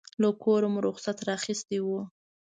له کوره مو رخصت اخیستی و.